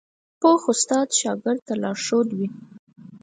پوخ استاد شاګرد ته لارښود وي